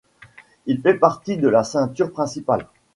Il fait partie de la ceinture principale.